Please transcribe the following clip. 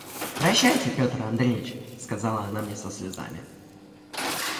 «Прощайте, Петр Андреич! – сказала она мне со слезами.